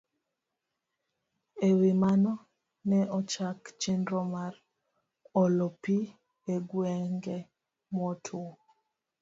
E wi mano, ne ochak chenro mar olo pi e gwenge motwo